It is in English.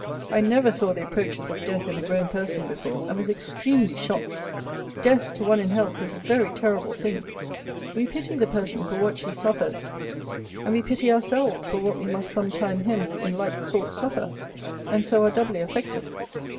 I never saw the approaches of death in a grown person before; and was extremely shocked. Death, to one in health, is a very terrible thing. We pity the person for what she suffers: and we pity ourselves for what we must some time hence in like sort suffer; and so are doubly affected.